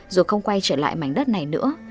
dù không quay trở lại mảnh đất này nữa